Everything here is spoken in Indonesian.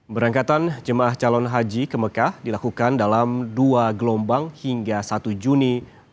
berangkatan jemaah calon haji ke mekah dilakukan dalam dua gelombang hingga satu juni dua ribu dua puluh